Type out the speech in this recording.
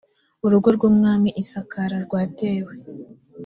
urugo rw umwami i sakara rwatewe